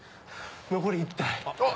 残り１体。